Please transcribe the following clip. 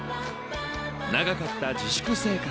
長かった自粛生活。